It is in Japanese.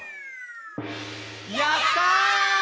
「やったー！！」